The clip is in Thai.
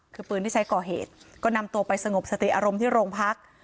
คือปืนที่ใช้ก่อเหตุก็นำตัวไปสงบสติอารมณ์ที่โรงพัก